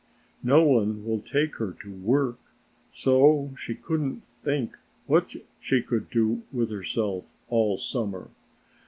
No one will take her to work, so she couldn't think what she could do with herself all summer.